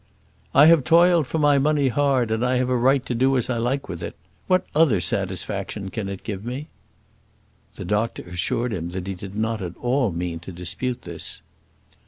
"I have toiled for my money hard, and I have a right to do as I like with it. What other satisfaction can it give me?" The doctor assured him that he did not at all mean to dispute this.